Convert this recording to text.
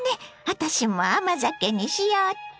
私も甘酒にしよっと！